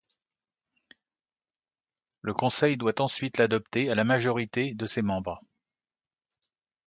Le Conseil doit ensuite l'adopter à la majorité des de ses membres.